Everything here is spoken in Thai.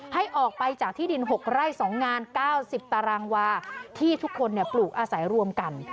ให้ออกไปจากที่ดิน๖ไร่๒งาน๙๐ตารางวาที่ทุกคนปลูกอาศัยรวมกัน